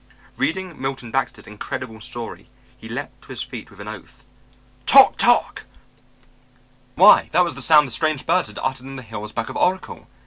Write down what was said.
Reading Milton Baxter's incredible story he leapt to his feet with an oath. Toc toc! Why, that was the sound the strange birds had uttered in the hills back of Oracle.